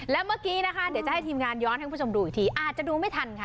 แล้วเมื่อกี้นะคะเดี๋ยวจะให้ทีมงานย้อนให้คุณผู้ชมดูอีกทีอาจจะดูไม่ทันค่ะ